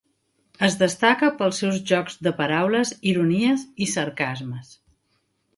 Es destaca pels seus jocs de paraules, ironies i sarcasmes.